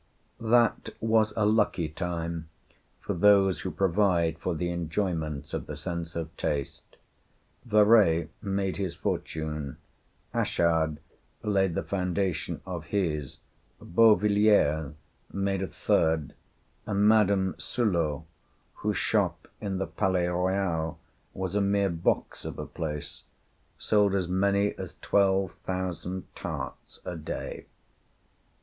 That was a lucky time for those who provide for the enjoyments of the sense of taste. Véry made his fortune; Achard laid the foundation of his; Beauvilliers made a third; and Madame Sullot, whose shop in the Palais Royal was a mere box of a place, sold as many as twelve thousand tarts a day.